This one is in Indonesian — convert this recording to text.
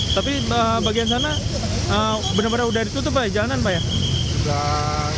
tapi bagian sana benar benar sudah ditutup jalanan